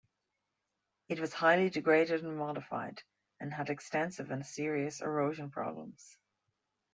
It was highly degraded and modified, and had extensive and serious erosion problems.